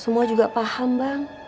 semua juga paham bang